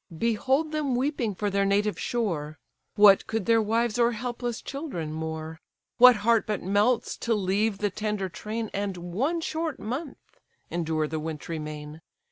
Behold them weeping for their native shore; What could their wives or helpless children more? What heart but melts to leave the tender train, And, one short month, endure the wintry main?